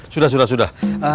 sudah sudah sudah